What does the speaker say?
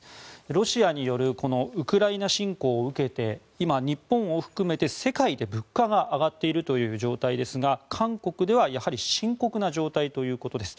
ロシアによるウクライナ侵攻を受けて今、日本を含めて世界で物価が上がっているという状態ですが韓国では、やはり深刻な状態ということです。